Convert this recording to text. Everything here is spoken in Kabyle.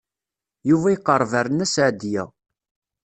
Yuba iqerreb ar Nna Seɛdiya.